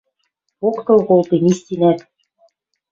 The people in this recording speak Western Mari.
Поктыл колтем, истинӓт!